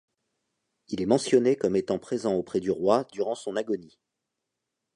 Il est mentionné comme étant présent auprès du roi durant son agonie.